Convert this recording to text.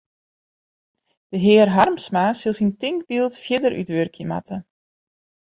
De hear Harmsma sil syn tinkbyld fierder útwurkje moatte.